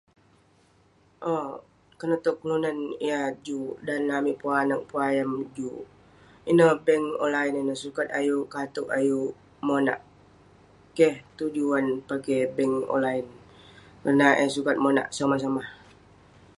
Owk. Konak toq kelunan yah juk dan amik pun anaq pun ayam juk, ineh bank olain ineh sukat ayuk kateuk ayuk monak. Keh tujuan pake bank olain kerna eh sukat monak somah-somah.